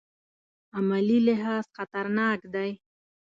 عملي لحاظ خطرناک دی.